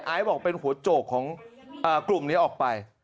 บอกเป็นหัวโจกของกลุ่มนี้ออกไป